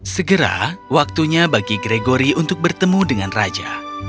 segera waktunya bagi gregory untuk bertemu dengan raja